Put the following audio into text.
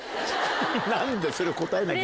何でそれを答えきゃ。